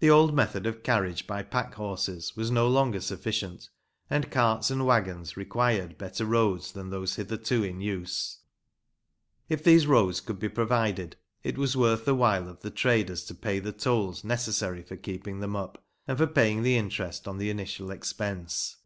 The old method of carriage by pack horses was no longer sufficient, and carts and waggons required better roads than those hitherto in use. If these roads could be provided, it was worth the while of the traders to pay the tolls necessary for keeping them up, and for paying the interest on the initial expense.